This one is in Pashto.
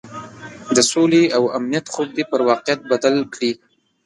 د سولې او امنیت خوب دې پر واقعیت بدل کړي.